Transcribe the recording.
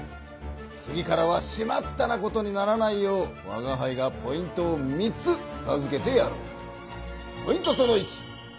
次からは「しまった！」なことにならないようわがはいがポイントを３つさずけてやろう。